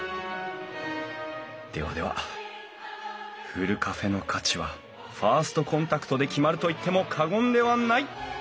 ではではふるカフェの価値はファーストコンタクトで決まると言っても過言ではない！